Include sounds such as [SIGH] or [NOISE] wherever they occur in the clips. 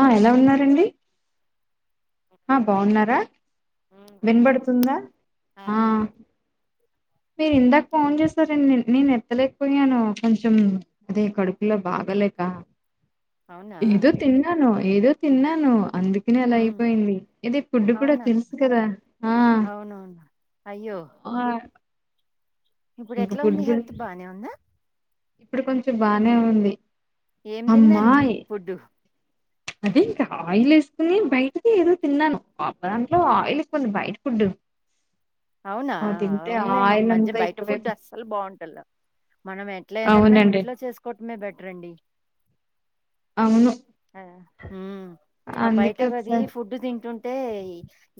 ఆ ఎలా ఉన్నారండి ఆ బావున్నారా ఉమ్ బాగున్నానండి వినబడుతుందా ఆ మీరు ఇందాక ఫోన్ చేసారు అండి నేను ఎత్తలేకపోయాను కొంచెం అదే కడుపులో బాగా లేక అవునా ఏదో తిన్నాను ఏదో తిన్నాను అందుకనే అలా ఉమ్ అయిపోయింది ఇదే ఫుడ్డు కూడా అవునా తెలుసు కదా ఆ అవునవును అయ్యో ఆ ఇప్పుడు ఇంక ఎట్లా ఫుడ్ ఉంది గురి హెల్త్ బానే ఉందా ఇప్పుడు కొంచెం బానే ఉంది ఏం అమ్మా తిన్నరు ఏంటి ఫుడ్డు అదే ఇంక ఆయిల్ వేసుకుని బయటికి ఏదో తిన్నాను దాంట్లో ఆయిల్ ఎక్కువ ఉంది బయట ఫుడ్డు [INAUDIBLE] అవునా అవునులేండి ఈ మధ్య బయట ఫుడ్ ఎక్కువైపోయి అస్సలు బావుంటల్ల మనం ఏదన్నా అవునండి ఇంట్లో చేసుకోవటమే బెటర్ అండి అవును ఆ హు మ్ ఆ బయట అందుకే అది ఒకసారి ఫుడ్డు తింటుంటే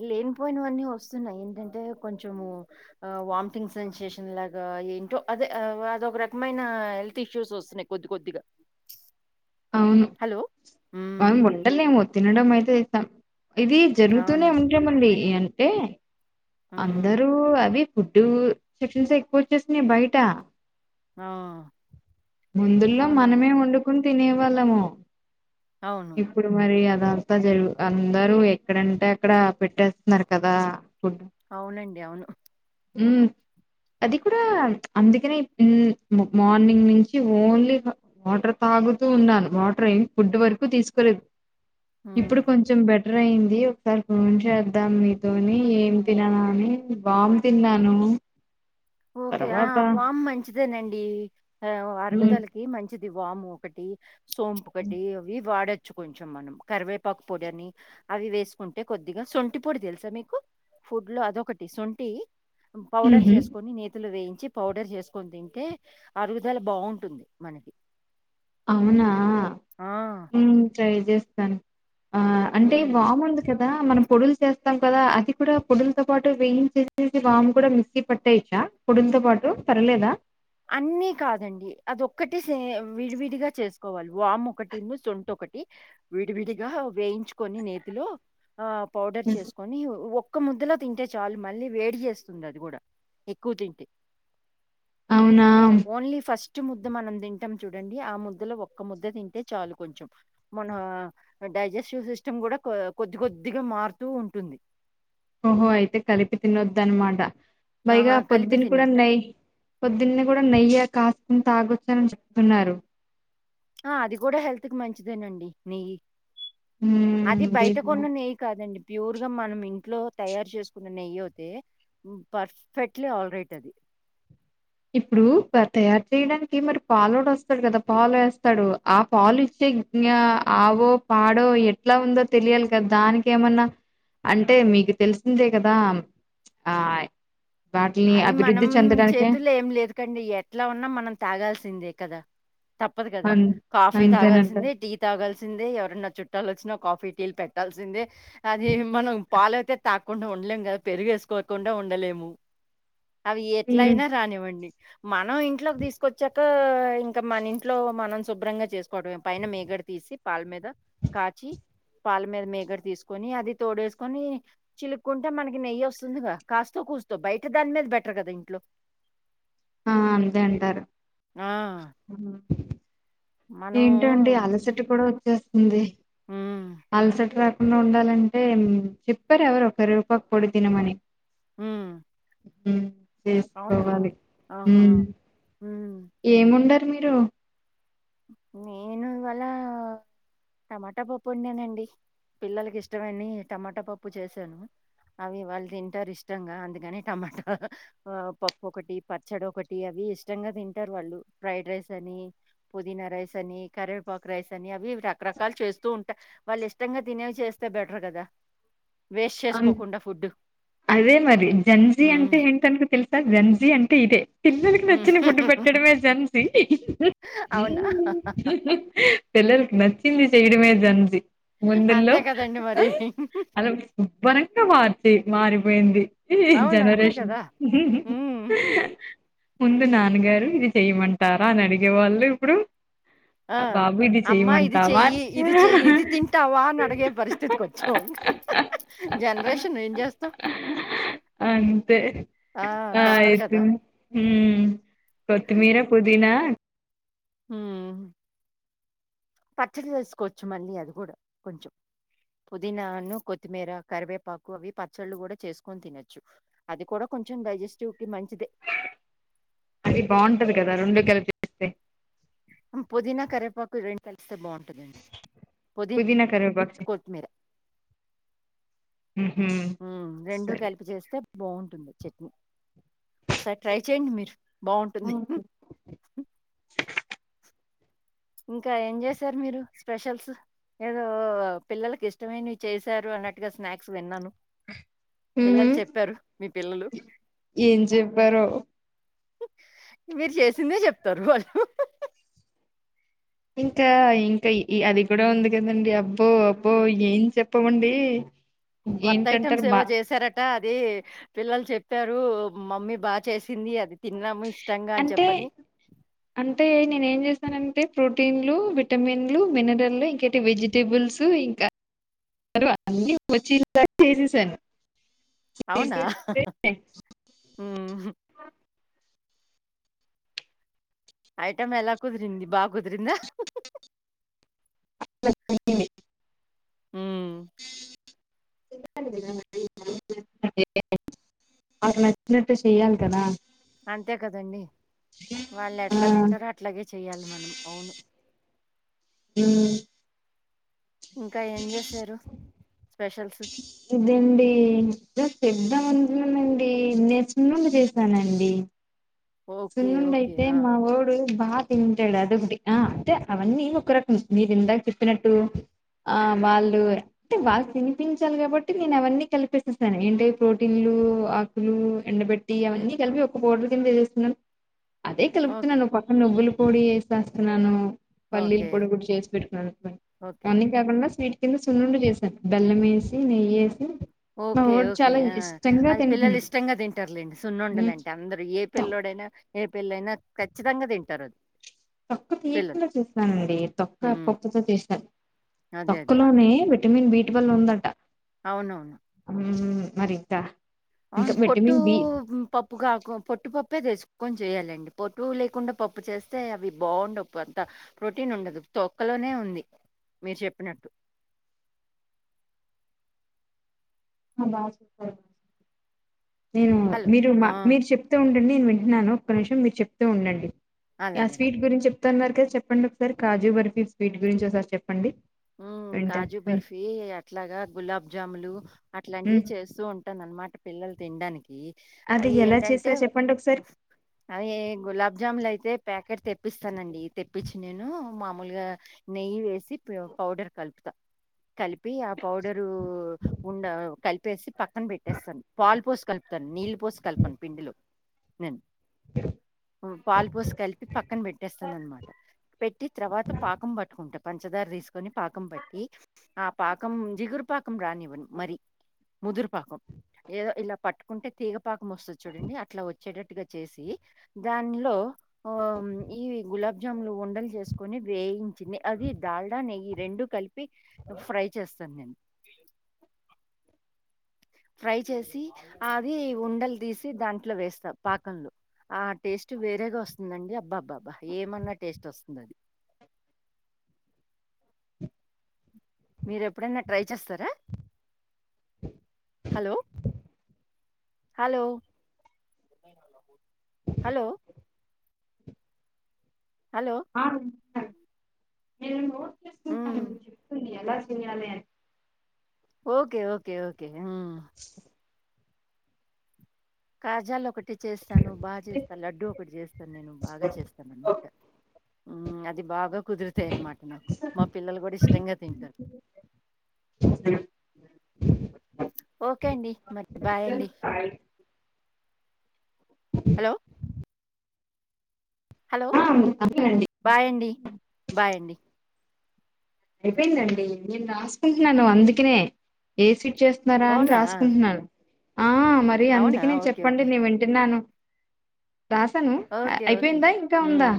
లేని పోయినవన్నీ వస్తున్నాయి ఏంటంటే కొంచెం వామిటింగ్ సెన్సేషన్ లాగా ఏంటో అదే అదొక రకమైన హెల్త్ ఇష్యూస్ వస్తున్నాయి కొద్ది కొద్దిగా అవును హలో ఉమ్ అవున్ ఉంటలేము తినడం అయితే ఇస్తాం. ఇది అవును. జరుగుతూనే ఉంటే మళ్ళీ అంటే హ్మ్. అందరూ అవి ఫుడ్డు టిఫిన్స్ ఎక్కువచ్చేస్నాయ్ బయట ఆ! ముందుల్లో అవునండి. మనమే అవును. వండుకుని తినేవాళ్ళము. అవును. ఇప్పుడు మరి అ తర్వాత జరుగు అందరూ ఎక్కడంటే అక్కడ పెట్టేస్తున్నారు కదా? అవునండి అవును. ఊమ్ అది కూడా అందుకనే ఇ మార్నింగ్ నుంచి ఓన్లీ వాటర్ తా తాగుతూ ఉన్నాను వాటర్ ఏం ఫుడ్ వరకు తీసుకోలేదు. హ్మ్. ఇప్పుడు కొంచెం బెటర్ అయింది ఒకసారి ఫోన్ చేద్దాం మీతోని ఏం తిన్నానా అని వామ్ తిన్నాను. ఓకే ఆ తర్వాత వామ్ మంచిదేనండి ఆ ఉమ్ అరుగుదలకి మంచి అది వాము ఒకటి సోంపు ఒకటి అవి వాడొ చ్చు కొంచెం మనం కరివేపాకు పొడి అని అవి వేసుకుంటే కొద్దిగా సొంటి పొడి తెలుసా మీకు? ఫుడ్ లో అదొకటి సొంటి పౌడర్ ఉహు చేసు నేతులు వేయించి పౌడర్ చేసుకొని తింటే అరుగుదల బాగుంటుంది మనకి అవునా ఆ! ఉమ్ ట్రై చేస్తాను. ఆ అంటే హ్మ్. వామెందుకు చెప్ మనం పొడులు చేస్తాం కదా? అది కూడా పొడులతో పాటు వేయించేసి వాము కూడా మిక్సీ పట్టేయచ్చా? ఆ పొడిన్తో పాటు పర్లేదా? అన్నీ కాదండి. అదొక్కటి సే విడివిడిగా చేసుకోవాలి వాము ఒకటి ను సొంటొ ఒకటి విడివిడిగా వేయించుకొని నేతిలో ఆ పౌడర్ చేసుకొని ఒ ఒక్క ముద్దలో తింటే చాలు మళ్ళీ వేడి చేేస్తుంది అది కూడా ఎక్కువ తింటే అవునా ఓన్లీ ఫస్ట్ ఫస్ట్ ముద్ద మనం తింటాం చూడండి ఆ ముద్దలో ఒక్క ముద్ద తింటే చాలు కొంచెం మన డైజెస్టివ్ సిస్టమ్ కూడా కొద్ది కొద్దిగా మారుతూ ఉంటుంది. ఓహో అయితే కలిపి తిన్నోదన్మాట. ఆహా! పైగా కలిపి పొద్దుని కూడా తినొద్దు. నెయ్ పొద్దున్న కూడా నెయ్యి కాస్ తాగొచ్చని చెప్తున్నారు. ఆ అది కూడా హెల్త్ కి మంచిదేనండి నెయ్యి హ్మ్. అది బయట అదేనా కొన్న నెయ్యి కాదండి. ప్యూర్ గా మనం ఇంట్లో తయారు చేసుకున్న నెయ్యి అయితే పర్ఫెక్ట్లీ ఆల్రైట్ అది ఇప్పుడు తయారు చేయడానికి మరి పాలు వస్తాడు కదా పాలు వేస్తాడు ఆ పాలు ఇచ్చే ఆవో పాడో ఎట్లా ఉందో తెలియాలి కదా దానికి ఏమన్నా? అంటే మీకు తెలిసిందే కదా ఆ వాటిని అది అభివృద్ధి మనం చెందడానికే చేతుల్లో ఏం లేదు కండి ఎట్లా ఉన్నా మనం తాగాల్సిందే కదా? తప్పదు కదా అన్ కాఫీ తాగాల్సింది అంతేనంటారు. టీ తాగాల్సింది ఎవరన్నా చుట్టాలు వచ్చినప్ కాఫీ టీల్ పెట్టాల్సిందే మనం పాలైతే తాకుండా ఉండలేం కదా పెరుగు వేసుకోకుండా ఉం ఉండలేము. అవి ఎట్ల హ్మ్. అయినా రానివ్వండి. మనం ఇంట్లోకి తీసుకొచ్చాక ఇంకా మన ఇంట్లో మనం శుభ్రంగా చేసుకోవడమే పైన మీగ తీసి పాల్ మీద కాచి పాల మీద మీగడ తీసుకొని అది తోడేసుకొని చిలుక్కుంటే మనకి నెయ్యి వస్తుందిగా కాస్తో కూస్త బయట దాని మీద బెటర్ కదా ఇంట్లో ఆ అంతే అంటారు ఆ ఉ మనం ఏంటండి అలసట కూడా వచ్చేస్తుంది హ్మ్ అలసట రాకుండా ఉండాలంటే చెప్పారు ఎవరో ఒకరు రూపాకు పొడి తినమని ఉ హ్ వేసుకోవాలి హ్ ఆహా హ్మ్ ఏమ్ వండారు మీరు నేను ఇవాళ టమాటా పప్పు వండానండి పిల్లలకి ఇష్టమని టమాటా పప్పు చేశాను అవి వాళ్ళు తింటారు ఇష్టంగా అందుకని టమాటా హ హ పప్పు ఒకటి పచ్చడి ఒకటి అవి ఇష్టంగా తింటారు వాళ్ళు ఫ్రైడ్ రైస్ అని పొదీనా రైస్ అని కరేపాకు రైస్ అని అవి రకరకాలు చేస్తూ ఉంటా వాళ్ళు ఇష్టంగా తినేవి చేస్తే బెటర్ కదా వేస్ట్ అన్ చేసుకోకుండా ఫుడ్ అదే మరి జెన్జి హ్మ్ అంటే ఏంటంటే తెలుసా జెన్జి అంటే ఇదే పిల్లలకి హ్మ్ నచ్చిన ఫుడ్డు పెట్టడమే జెన్జి మ్ హ అవునా హ పిల్లలకు నచ్చింది చేయడమే జెన్జి ముందుల్లో అంతే కదండి మరి అలా కనక పార్టీ మారిపోయింది హ్ అవును అంతే జనరేషన్ కదా హ్ హ్ హ్మ్ ముందు నాన్నగారు ఇది చెయమంటారా అని అడిగే వాళ్ళు ఇప్పుడు ఆ! బాబు [UNINTELLIGIBLE] అమ్మా ఇది చెయ్యమంటావా చెయ్యి ఇది చెయ్యి ఇది తింటావా అని అడిగే పరిస్థితి కొచ్చాం జనరేషన్ ఏం చేస్తాం అంతే ఆ తప్పదు ఆయితే కదా! హ కొత్తిమీర పుదీనా హ పచ్చడి చేసుకోవచ్చు మళ్ళీ అది కూడా కొంచెం పుదీనాను కొత్తిమీర కరివేపాకు అవి పచ్చళ్ళు కూడా చేసుకొని తినొచ్చు అది కూడా కొంచెం డైజెస్టివ్ కి మంచిది అది బాగుంటది కదా రెండు కలిపి చేస్తే పొదీనా కరేపాకు రెండు చేస్తే బాగుంటుందండి పుదీనా కరివేపాకు పొదిన చెయ్ కొత్తిమీర ఉహు ఉ రెండూ సరే కలిపి చేస్తే బాగుంటుంది చట్నీ ఒకసారి ట్రై చేయండి మీరు బాగుంటుంది హ్ హ్ ఇంకా ఏం చేసారు మీరు స్పెషల్స్ ఏదో పిల్లలకి ఇష్టమైనవి చేశారు అన్నట్టుగా స్నాక్స్ విన్నాను హ్ పిల్లలు హ్ చెప్పారు మీ పిల్లలు ఏం చెప్పారో మీరు చేసిందే చెప్తారు వాళ్ళు ఇంకా ఇంకా అది కూడా ఉంది కదండి అబ్బో అబ్బో ఏం చెప్పమండి కొత్త ఐటెమ్స్ ఏంటంటారు బా ఏవో చేసారట అది పిల్లలు చెప్పారు మమ్మీ బాగా చేసింది అది తిన్నాము ఇష్టంగా అని అంటే చెప్పని అంటే నేనేం చేస్తానంటే ప్రోటీన్లు విటమిన్లు మినరల్లు ఇంకటి వెజిటేబుల్స్ం క అ వచ్చిన్ వరకు వేసేసాను అవున అహ ఐటమ్ ఎలా కుదిరింది బాగ కుదిరింద [UNINTELLIGIBLE] ఉ [UNINTELLIGIBLE] వాళ్లకి నచ్చినట్టు చెయ్యాల్ కదా అంతే కదండి వాళ్ ఆ! ఎట్లా తింటారో అట్లాగే చెయాలి మనం అవును ఉ ఇంకా ఏం చేశారు స్పెషల్స్ ఇదండి జ చెద్దామ్ అనుకున్నానండి నేన్ సుల్లుండలు చేశానండి [UNINTELLIGIBLE] ఓకే ఓకే సుల్లుండయితే ఆ, మా ఓడు బాగా తింటాడు అదొకటి ఆ అంటే అవన్నీ ఒక్క రకం మీరు ఇందాక చెప్పినట్టు ఆ వాళ్ళు అంటే వాళ్ళు తినిపించాలి కాబట్టి నేను అవన్నీ కల్పిస్తేస్తాను ఏంట ప్రోటీన్లు ఆకులు ఎండబెట్టి అవన్నీ కలిపి ఒక పౌడర్ కింద వసేస్తున్నాం అదే ఓకే కలుపుతున్నాను ఒక పక్కన నువ్వులు పొడి వేసేస్తున్నాను పల్లీలు ఓకే పొడి కూడ చేసి పెట్టుకున్న ఓకే ఇవన్ని కాకుండా స్వీట్ కింద సున్నుండు చేసాను బెల్లం వేసి నెయ్యేసి ఓకే ఓకే ఆ అది పిల్లలు తింటున్నాడు ఇష్టంగా తింటార్లేండి సున్నుండలు ఉమ్, అంటే అందరుూ ఏ తక్కువ పిల్ల్లోడైనా ఏ పిళ్ల్లైన ఖచ్చితంగా తింటారు అ తొక్కు తీయకుండా చూస్తానండి తొక్క్క హ్మ్. పొట్టుతో చేశాను అదే. అదే. తొక్కులోనే విటమిన్ బీ ట్వల్ ఉందం అవునవున్ మరి త అ పొట్టు పప్పు కాకు పొట్టు పొప్పే చెసుకో కొన్ చేయాలండి పొటు లేకుండా పప్పు చేస్తే అవి బాగుండవు కొంత ప్రోటీన్ ఉండదు తొక్క లోనే ఉంది మీర్ చెప్పినట్టు [INAUDIBLE] బా చెప్తర్ నేను హలో! మీరు మా ఆ! మీరు చెప్త్ ఉంటది నే న్ వింటున్నాను ఒక్క నిమిషం మీరు చెప్తూ ఉండండి ఆ అలాగనే. స్వీట్ గురించి టెన్ వరకె చెప్పండి ఒకసారి కాజు బర్ఫీ స్వీట్ గురించి ఒకసారి చెప్ప ఉ కాజు బర్ఫీ అట్లగ గులాబ్ జాములు అట్లాంటివి మ్మ్. చేస్తూ ఉం ఉంటదన్నమాట పిల్లలు తినడానికి అది అయి ఎలా ఏంటంటే చేసారు చెప్పండి ఒకసారి అవి గులాబ్ జాముున్ ఐతే ఐతే ప్యాకెట్ తెప్పిస్తానండి తెప్పించి నేను మామూల్గా నెయ్యి వేసి పౌడర్ కల్పుతా కలిపి ఆ పౌడరు ఉండ కలిపేసి పక్కన పెట్టేస్తాను పాలు పోసి కలుపుతాను నీళ్ళు పోసి కలపను పిండిలో నేను [INAUDIBLE] పాలు పోసి కలిపి పక్కన పెట్టేస్తాననమాట పెట్టి త్రవాత పాకం పట్టుకుంట పంచదార తీసుకొని పాకం పట్టి ఆ పాకం జిగురు పాకం రానివ్వను మరి ముదురు పాకం ఏదో ఇలా పట్టుకుంటే తీగ పాకం వస్త చూడండి అట్లా వచ్చేటట్టుగా చేసి దానిలో ఆ ఈ గులాబ్జాములు ఉండలు చేసుకొని వేయించింది అది దాల్డా నెయ్యి రెండు కలిపి ఫ్రై చేస్తాను నేను ఫ్రై చేసి అది ఉండలు తీసి దాంట్లో వేస్తా పాక్ కంలో ఆ టేస్ట్ వేరేగా వస్తుందండి అబ్బా అబ్బా అబ్బా ఏమన్నా టేస్ట్ వస్తుంది అది [INAUDIBLE] మీరేప్పుడన్న ట్రై చేస్తారా హలో హలో హలో హలో! నేను వినిపిస్తానంది నిను నోట్ హ్మ్. చేసుకుంటానా నువ్వు చెప్తుంది ఎలా చెయ్యాలె అని ఓకే ఓకే ఓకే హ్మ్. [INAUDIBLE] కాజాలోకటి చేస్తాను బాగా చేస్తాను లడ్డూ ఒకటి చేస్తాను నేను బాగా చేస్తానన్నమాట మ్ అది బాగా కుదురుతాయన్నమాట నాకు మా పిల్లలు కూడా ఇష్టంగా తింటారు [INAUDIBLE] ఓకే అండి మరి బాయ్ అండి అని హలో హలో ఆ అవునండి బాయండి బాయండి అయిపోయిందండి నేను రాసుకుంటున్నాను అందుకనే ఏ సిట్ చేస్తున్నారా అని అవునా! రాసుకుంటున్నాడు ఆ మరి అవునా! అందుకనేే ఓకే. చెప్పండి ఓకే. నీ వింటున్నాను రాసాను ఓకే. ఓకే. అయిపోయిందా ఇంకా ఉందా హ్మ్.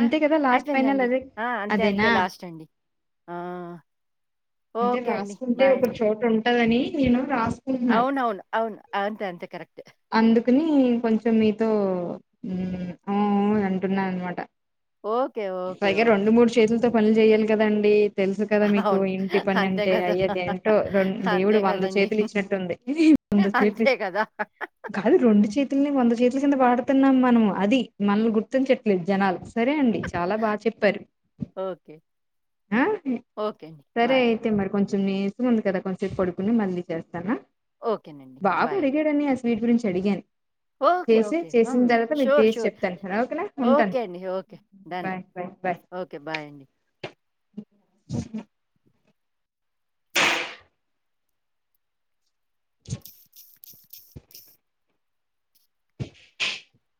ఆ! కదా లాస్ట్ ఫైనల్ అయిపోయిందండి. అదే ఆ! అంతే. అంతే. అదేనా లాస్ట్ అండి. ఆ! అంటే ఓకే అండి. రాసుకుంటే బాయ్ ఒక అండి. చోట ఉంటదని నేను రాసుకుంటున్నాను అవునవును అవును అంతే అంతే కరెక్ట్ అందుకని కొంచెం మీతో మ్ మ్ అంటున్నా అన్నమాట ఓకే. ఓకే. పైగా రెండు ఓకే. మూడు చేతులతో పనులు చెయ్యాలి కదండి తెలుసు కదా మీకు అవును. ఇంటి పని అంతే అంటే కదా! అయ్యది ఏంటో రెం అంతే దేవుడు వంద కదండీ! చేతులు ఇచ్చినట్టుంది అంతే కదా అది రెండు చేతులని వంద చేతుల కింద వాడుతున్నాం మనము అది మనల్ని గుర్తించట్లేదు జనాలు సరే అండి చాలా బాగా చెప్పారు ఓకే. ఆ ఓకే అండి. సరే బాయ్ అండి. అయితే మరి కొంచం నేర్ ముంది కదా కొంచసేపు పడుకోని మల్లి చేస్తానా ఓకేనండి బాబు బాయ్ అండి అడిగాడని ఆ స్వీట్ గురించి అడిగన్ okay okay sure taste sure చెప్తాను ఓకేనా ఉంటాను ఓకే అండి okay done bye bye bye okay bye అండి [UNINTELLIGIBLE] [UNINTELLIGIBLE] [UNINTELLIGIBLE]